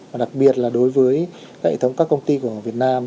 và đặc biệt là đối với hệ thống các công ty của việt nam